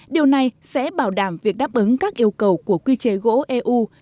điều này sẽ bảo đảm việc đáp ứng các yêu cầu của quy chế gỗ eu